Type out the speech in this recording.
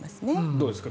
どうですか？